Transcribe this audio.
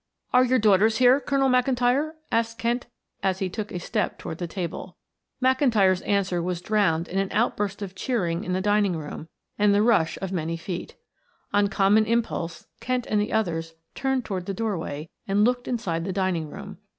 "Are your daughters here, Colonel McIntyre?" asked Kent as he took a step toward the table. McIntyre's answer was drowned in an outburst of cheering in the dining room and the rush of many feet. On common impulse Kent and the others turned toward the doorway and looked inside the dining room.